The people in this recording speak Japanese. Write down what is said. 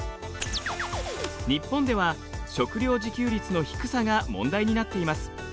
日本では食料自給率の低さが問題になっています。